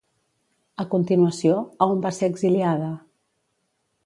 A continuació, a on va ser exiliada?